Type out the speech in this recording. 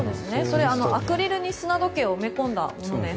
それ、アクリルに砂時計を埋め込んだものです。